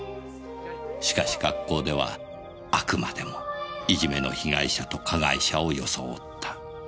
しかし学校ではあくまでもいじめの被害者と加害者を装った。